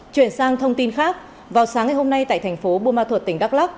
chuyển sang thông tin khác vào sáng ngày hôm nay tại thành phố bùa ma thuật tỉnh đắk lắk